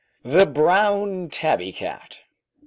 ] THE BROWN TABBY CAT.